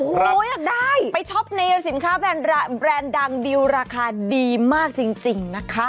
โอ้โหอยากได้ไปช็อปในสินค้าแบรนด์ดังดิวราคาดีมากจริงนะคะ